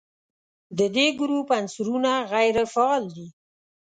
د دې ګروپ عنصرونه غیر فعال دي.